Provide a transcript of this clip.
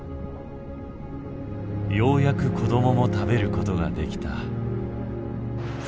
ようやく子供も食べることができた。